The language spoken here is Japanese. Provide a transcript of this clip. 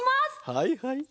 はいはい。